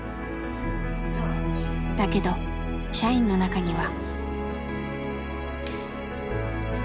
だけど社員の中には。